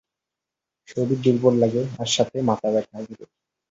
শরীর দুর্বল লাগে আর সাথে মাথা ঘুরে।